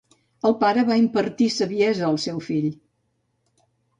El pare va impartir saviesa al seu fill.